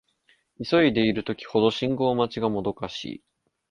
急いでいる時ほど信号待ちがもどかしい